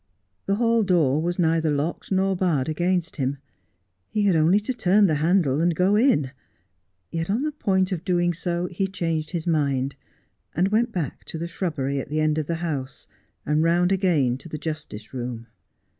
The hall door was neither locked nor barred against him. He had only to turn the handle and go in ; yet on the point of doing so he changed his mind, and went back to the shrubbery at the end of the house, and round again to the justice room.